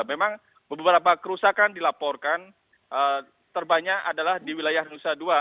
memang beberapa kerusakan dilaporkan terbanyak adalah di wilayah nusa dua